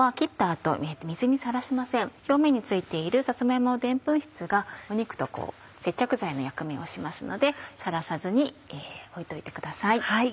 表面に付いているさつま芋のでんぷん質が肉と接着剤の役目をしますのでさらさずに置いておいてください。